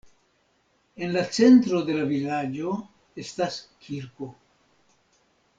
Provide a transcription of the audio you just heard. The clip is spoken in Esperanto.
En la centro de la vilaĝo estas kirko.